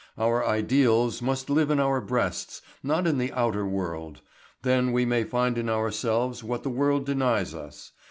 Our ideals must live in our breasts, not in the outer world. Then we may find in ourselves what the world denies us.